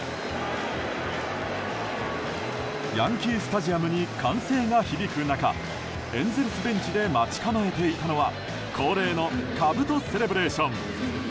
ヤンキー・スタジアムに歓声が響く中エンゼルスベンチで待ち構えていたのは恒例のかぶとセレブレーション。